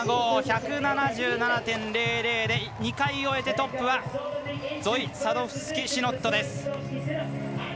８３．７５、１７７．００で２回終えてトップはゾイ・サドフスキシノットです。